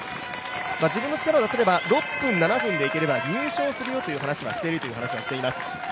自分の力を出せれば６分７分でいければ入賞はいけるよと話をしているという話はしています。